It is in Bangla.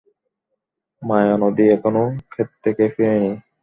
মায়ানদি এখনও ক্ষেত থেকে ফিরেনি।